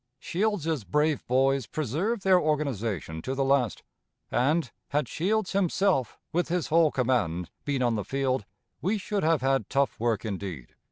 "Shields's brave 'boys' preserved their organization to the last; and, had Shields himself, with his whole command, been on the field, we should have had tough work indeed."